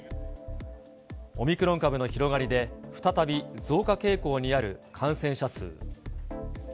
オミクロン株の広がりで、再び、増加傾向にある感染者数。